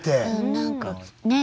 何かねえ